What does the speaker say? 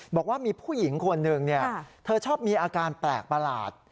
บอกว่ามีผู้หญิงคนหนึ่งเธอชอบมีอาการแปลกประหลาด